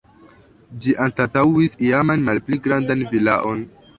Ĝi anstataŭis iaman malpli grandan vilaon.